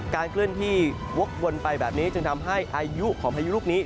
เคลื่อนที่วกวนไปแบบนี้จึงทำให้อายุของพายุลูกนี้